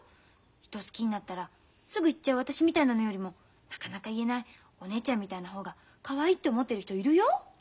人を好きになったらすぐ言っちゃう私みたいなのよりもなかなか言えないお姉ちゃんみたいな方がかわいいって思ってる人いるよ。